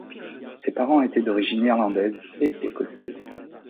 Ses parents étaient d'origines irlandaise et écossaise.